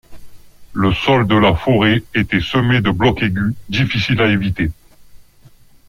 Le sol de la forêt était semé de blocs aigus, difficiles à éviter.